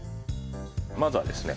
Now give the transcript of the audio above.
まずはですね